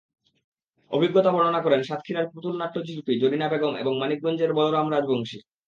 অভিজ্ঞতা বর্ণনা করেন সাতক্ষীরার পুতুলনাট্য শিল্পী জরিনা বেগম এবং মানিকগঞ্জের বলরাম রাজবংশী।